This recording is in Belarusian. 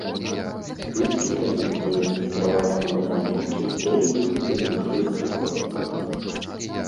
Кветкі паніклыя, пераважна ў аднабокіх доўгіх і рыхлых гронках.